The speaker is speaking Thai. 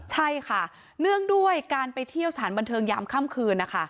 ใช่ค่ะเนื่องด้วยการไปเที่ยวสถานบันเทิงยามค่ำคืนนะคะ